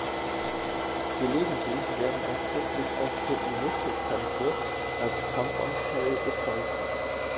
Gelegentlich werden auch plötzlich auftretende Muskelkrämpfe als Krampfanfall bezeichnet.